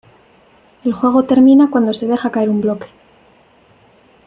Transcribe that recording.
El juego termina cuando se deja caer un bloque.